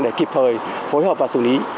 để kịp thời phối hợp và xử lý